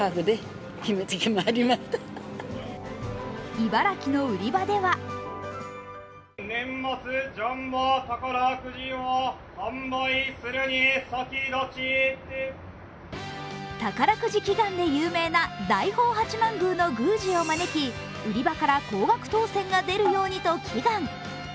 茨城の売り場では宝くじ祈願で有名な大宝八幡宮の宮司を招き、売り場から高額当せんが出るようにと祈願。